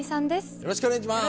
よろしくお願いします。